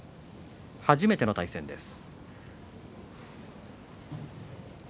初めての対戦です。